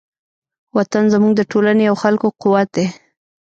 وطن زموږ د ټولنې او خلکو قوت دی.